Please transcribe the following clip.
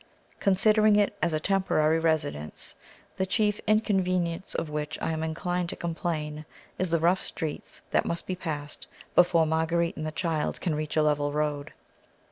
Considering it as a temporary residence, the chief inconvenience of which I am inclined to complain is the rough streets that must be passed before Marguerite and the child can reach a level road.